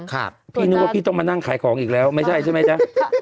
พี่นึกว่าพี่ต้องมานั่งขายของอีกแล้วไม่ใช่ใช่ไหมจ๊ะ